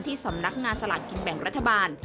สำนักงานสลากกินแบ่งรัฐบาล